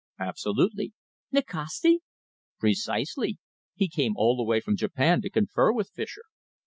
"Absolutely." "Nikasti?" "Precisely! He came all the way from Japan to confer with Fischer.